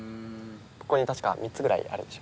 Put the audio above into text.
ここに確か３つぐらいあるでしょ。